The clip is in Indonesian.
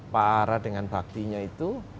pak ara dengan baktinya itu